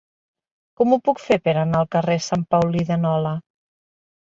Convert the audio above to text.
Com ho puc fer per anar al carrer de Sant Paulí de Nola?